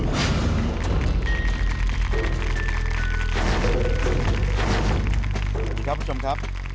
สวัสดีครับคุณผู้ชมครับ